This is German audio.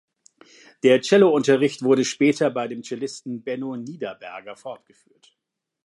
Der Cellounterricht wurde später bei dem Cellisten Benno Niederberger fortgeführt.